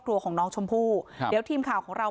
คดีของน้องชมพู่เรายังตามให้ต่อนะคะ